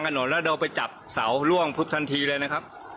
เสาไฟตรงนี้นะครับเแล้วคือใบเลือดนะครับ